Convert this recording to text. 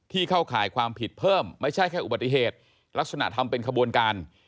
เข้าข่ายความผิดเพิ่มไม่ใช่แค่อุบัติเหตุลักษณะทำเป็นขบวนการ